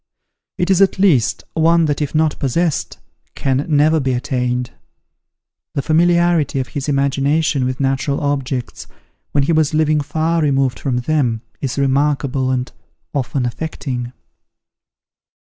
It is at least, one that if not possessed, can never be attained. The familiarity of his imagination with natural objects, when he was living far removed from them, is remarkable, and often affecting.